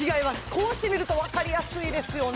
こうして見ると分かりやすいですよね